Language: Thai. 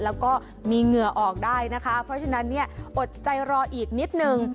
แล้วก็มีเหงื่อออกได้นะคะเพราะฉะนั้นเนี่ยอดใจรออีกนิดนึง